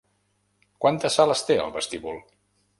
Quantes sales té el vestíbul?